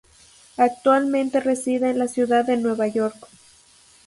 Actualmente reside en la ciudad de New York.